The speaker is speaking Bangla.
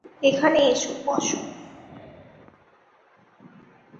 এখানে এসো, বব।